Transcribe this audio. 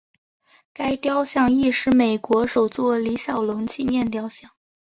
该雕像亦是美国首座李小龙纪念雕像。